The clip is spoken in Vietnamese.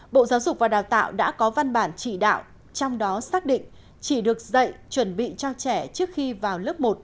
bộ giáo dục và đào tạo đã có văn bản chỉ đạo trong đó xác định chỉ được dạy chuẩn bị cho trẻ trước khi vào lớp một